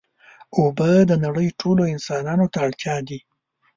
اوبه د نړۍ ټولو انسانانو ته اړتیا دي.